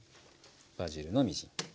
バジルのみじん切り。